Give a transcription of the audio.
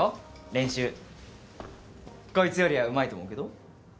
練習こいつよりはうまいと思うけど？